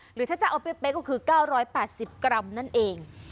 หรือถ้าจะเอาเป๊ะก็คือ๙๘๐กรัมนั่นเอง